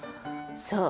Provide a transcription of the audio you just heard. そう。